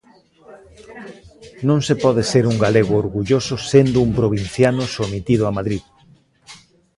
Non se pode ser un galego orgulloso sendo un provinciano sometido a Madrid.